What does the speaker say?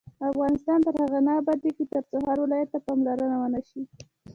افغانستان تر هغو نه ابادیږي، ترڅو هر ولایت ته پاملرنه ونشي.